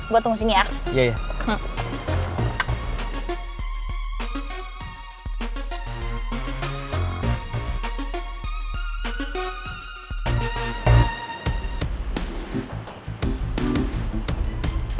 pak kita langsung masuk ke dalam